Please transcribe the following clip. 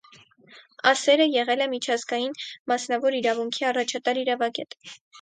Ասերը եղել է միջազգային մասնավոր իրավունքի առաջատար իրավագետ։